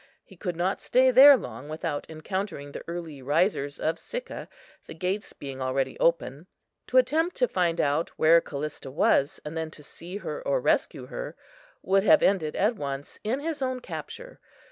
He could not stay there long without encountering the early risers of Sicca, the gates being already open. To attempt to find out where Callista was, and then to see her or rescue her, would have ended at once in his own capture.